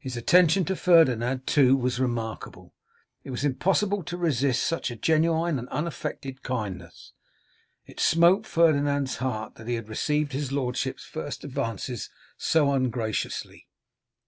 His attention to Ferdinand too was remarkable; it was impossible to resist such genuine and unaffected kindness. It smote Ferdinand's heart that he had received his lordship's first advances so ungraciously.